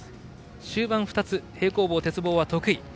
終盤２つ、平行棒、鉄棒は得意。